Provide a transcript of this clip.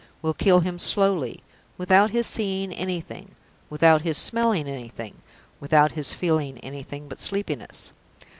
Will kill him slowly, without his seeing anything, without his smelling anything, without his feeling anything but sleepiness.